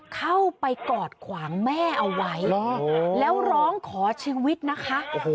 เข้าไปกอดขวางแม่เอาไว้แล้วร้องขอชีวิตนะคะ